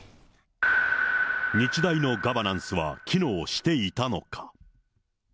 日大のガバナンスは機能していたのか。